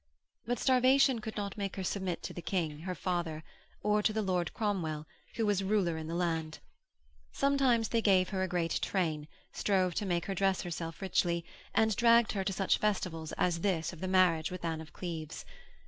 But starvation could not make her submit to the King, her father, or to the Lord Cromwell who was ruler in the land. Sometimes they gave her a great train, strove to make her dress herself richly, and dragged her to such festivals as this of the marriage with Anne of Cleves.